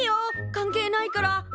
関係ないから。